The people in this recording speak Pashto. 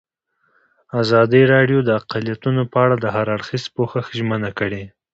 ازادي راډیو د اقلیتونه په اړه د هر اړخیز پوښښ ژمنه کړې.